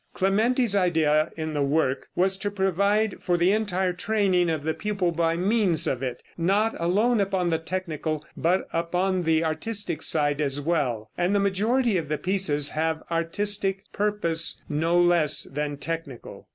Clementi's idea in the work was to provide for the entire training of the pupil by means of it; not alone upon the technical, but upon the artistic side as well, and the majority of the pieces have artistic purpose no less than technical.